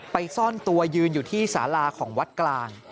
ซ่อนตัวยืนอยู่ที่สาราของวัดกลาง